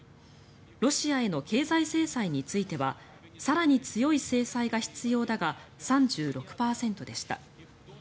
ロシアへの経済制裁については更に強い制裁が必要だが３６％でした。